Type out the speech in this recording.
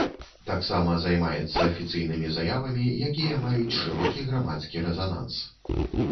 Таксама займаецца афіцыйнымі заявамі, якія маюць шырокі грамадскі рэзананс.